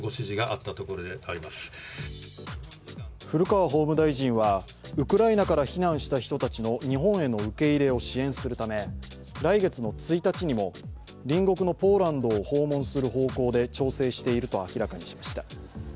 古川法務大臣はウクライナから避難した人たちの日本への受け入れを支援するため、来月１日にも隣国のポーランドを訪問する方向で調整していると明らかにしました。